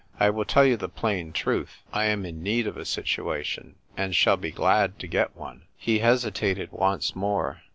"I will tell you the plain truth — I am in need of a situation, and shall be glad to get one." He hesitated once more.